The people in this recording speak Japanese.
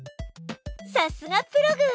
さすがプログ！